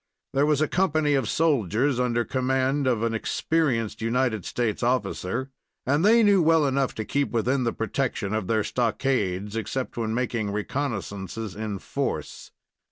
There was a company of soldiers under command of an experienced United States officer, and they knew well enough to keep within the protection of their stockades, except when making reconnoissances in force.